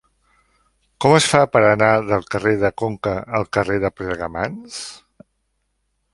Com es fa per anar del carrer de Conca al carrer de Plegamans?